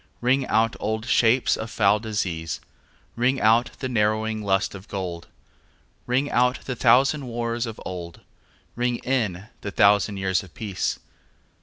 Ring out old shapes of foul disease, Ring out the narrowing lust of gold; Ring out the thousand wars of old, Ring in the thousand years of peace.